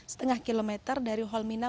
setengah kilometer dari holmina